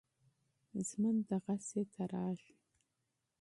ژوند همداسې تېرېږي.